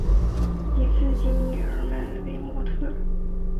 以自己女儿们为模特儿